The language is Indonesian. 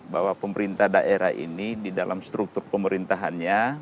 bahwa pemerintah daerah ini di dalam struktur pemerintahannya